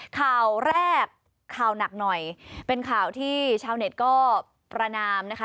ข่าวแรกข่าวหนักหน่อยเป็นข่าวที่ชาวเน็ตก็ประนามนะคะ